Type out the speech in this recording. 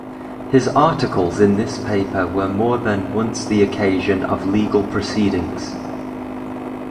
His articles in this paper were more than once the occasion of legal proceedings.